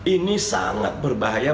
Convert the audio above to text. ini sangat berbahaya